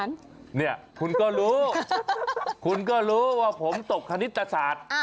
เนี่ยคุณก็รู้คุณก็รู้ว่าผมตกคณิตศาสตร์